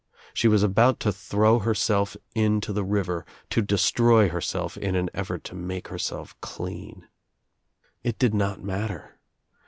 She was about to throw herself into the river, to ' destroy herself in an effort to make herself clean. It did not matter.